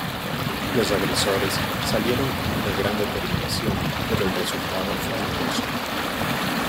Los agresores salieron con una gran determinación, pero el resultado fue dudoso.